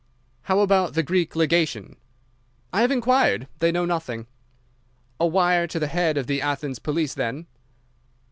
"How about the Greek Legation?" "I have inquired. They know nothing." "A wire to the head of the Athens police, then?"